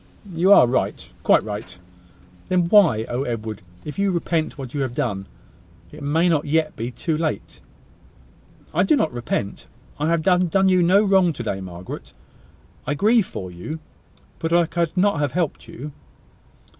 "You are right: quite right." "Then why . Oh! Edward, if you repent what you have done, it may not yet be too late!" "I do not repent. I have done you no wrong to day, Margaret. I grieve for you, but I could not have helped you."